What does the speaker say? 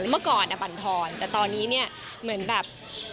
เมื่อก่อนบรรทอนแต่ตอนนี้เนี่ยเหมือนแบบ